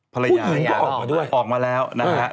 ภรรยาออกมาแล้วนะฮะ